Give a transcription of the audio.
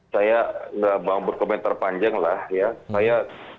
saya nggak mau berkomentar panjang lah ya